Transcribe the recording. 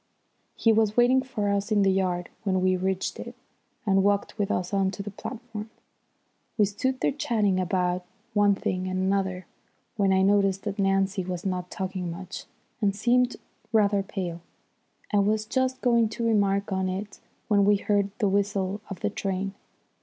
He was waiting for us in the yard when we reached it, and walked with us on to the platform. We stood there chatting about one thing and another, when I noticed that Nancy was not talking much and seemed rather pale. I was just going to remark on it when we heard the whistle of the train.